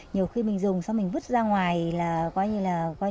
nhiều khi mình dùng xong mình vứt ra ngoài là coi như là không có tốt